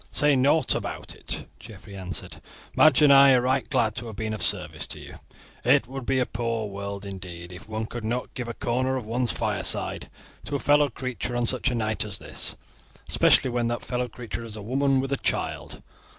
"Say nought about it," Geoffrey answered; "Madge and I are right glad to have been of service to you. It would be a poor world indeed if one could not give a corner of one's fireside to a fellow creature on such a night as this, especially when that fellow creature is a woman with a child.